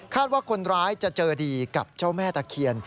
ว่าคนร้ายจะเจอดีกับเจ้าแม่ตะเคียน